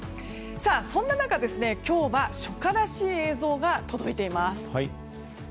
そんな中、今日は初夏らしい映像が届いています。